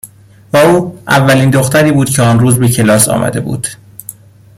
و او اولین دختری بود که آن روز به کلاس آمده بود.